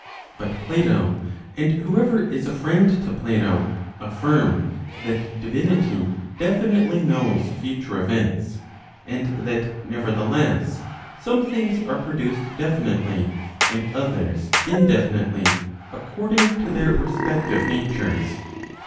But Plato, and whoever is a friend to Plato, affirm that divinity definitely knows future events, and that nevertheless' some things are produced definitely, and others indefinitely, according to their respective natures.